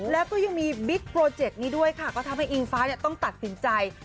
แล้วก็ยังมีบิ๊กโปรเจกต์นี้ด้วยค่ะก็ทำให้อิงฟ้าต้องตัดสินใจ